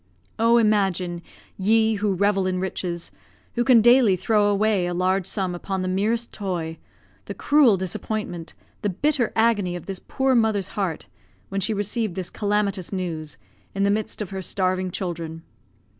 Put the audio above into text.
Oh! imagine, ye who revel in riches who can daily throw away a large sum upon the merest toy the cruel disappointment, the bitter agony of this poor mother's heart, when she received this calamitous news, in the midst of her starving children.